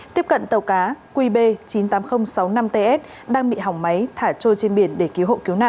tiếp cận tàu cá qb chín mươi tám nghìn sáu mươi năm ts đang bị hỏng máy thả trôi trên biển để cứu hộ cứu nạn